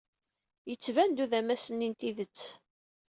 Yettban-d udamas-nni n tidet.